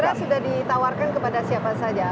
kira kira sudah ditawarkan kepada siapa saja